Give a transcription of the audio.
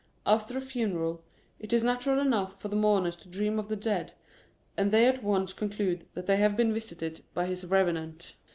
After a funeral, it is natural enough for the mourners to dream of the dead, and they at once conclude that they have been visited by his revenant.